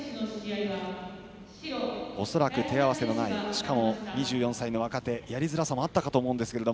恐らく手合わせのないしかも、２４歳の若手やりづらさもあったかと思いますが。